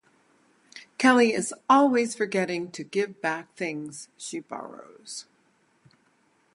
Kelly is always forgetting to give back things she borrows!